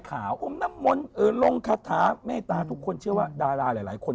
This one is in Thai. อมน้ำมนต์ลงคาถาเมตตาทุกคนเชื่อว่าดาราหลายคน